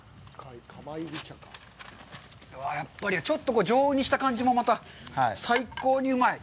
うわぁ、やっぱり、ちょっと常温にした感じもまた、最高にうまい。